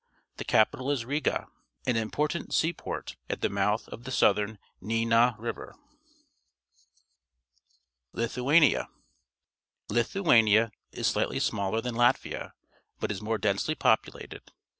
The capital is Riga, an impor tant seaport at the mouth of the Southern Dvina River. Lithuania. — Lithuania is slightly smaller than Latvia, but is more densely populated.